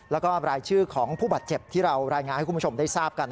แล้วก็รายชื่อของผู้บาดเจ็บที่เรารายงานให้คุณผู้ชมได้ทราบกัน